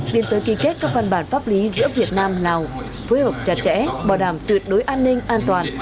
tiến tới ký kết các văn bản pháp lý giữa việt nam lào phối hợp chặt chẽ bảo đảm tuyệt đối an ninh an toàn